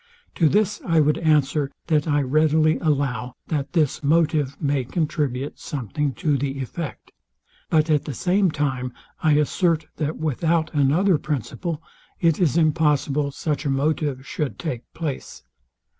To this I would answer, that I readily allow, that this motive may contribute something to the effect; but at the same time I assert, that without another principle, it is impossible such a motive should take place.